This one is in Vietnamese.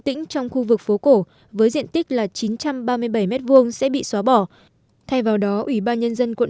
tỉnh trong khu vực phố cổ với diện tích là chín trăm ba mươi bảy m hai sẽ bị xóa bỏ thay vào đó ủy ban nhân dân quận